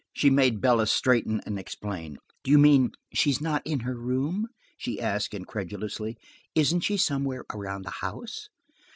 She made Bella straighten and explain. "Do you mean–she is not in her room?" she asked incredulously. "Isn't she somewhere around the house?"